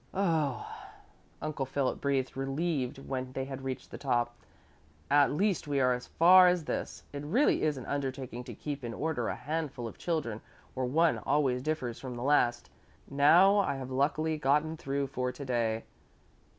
"Oh," Uncle Philip breathed relieved when they had reached the top. "At least we are as far as this. It really is an undertaking to keep in order a handful of children where one always differs from the last. Now I have luckily gotten through for today.